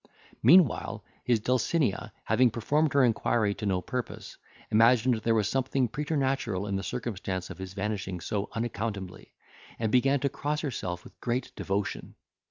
Meanwhile, his Dulcinea, having performed her inquiry to no purpose, imagined there was something preternatural in the circumstance of his vanishing so unaccountably, and began to cross herself with great devotion.